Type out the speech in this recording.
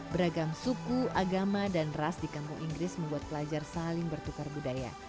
beragam suku agama dan ras di kampung inggris membuat pelajar saling bertukar budaya